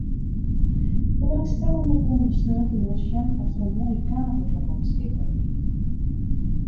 Belangstellenden koene sneontemoarn sjen oft der in moaie kavel foar har beskikber wie.